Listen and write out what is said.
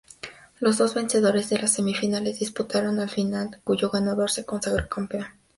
Los dos vencedores de las semifinales disputaron la final, cuyo ganador se consagró campeón.